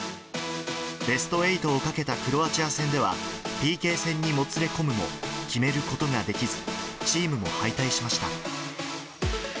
ベスト８をかけたクロアチア戦では、ＰＫ戦にもつれ込むも決めることができず、チームも敗退しました。